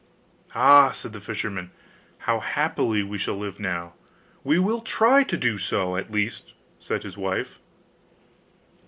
'Ah!' said the fisherman, 'how happily we shall live now!' 'We will try to do so, at least,' said his wife.